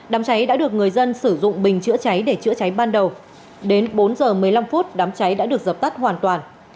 đám cháy đã được người dân sử dụng bình chữa cháy để chữa cháy ban đầu đến bốn h một mươi năm phút đám cháy đã được dập tắt hoàn toàn